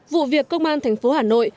vụ việc công an thành phố hà nội